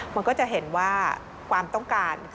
มันก็จะเห็นว่าความต้องการ